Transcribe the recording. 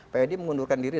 pak edi mengundurkan diri